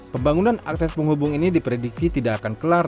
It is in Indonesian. pembangunan akses penghubung ini diprediksi tidak akan kelar